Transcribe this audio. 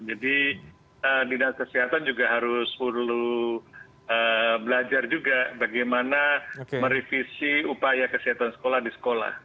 jadi didatang kesehatan juga harus perlu belajar juga bagaimana merevisi upaya kesehatan sekolah di sekolah